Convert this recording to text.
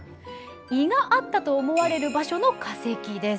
胃があったと思われる場所の化石です。